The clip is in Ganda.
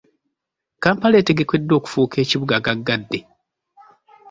Kampala etegekeddwa okufuuka ekibuga gaggadde.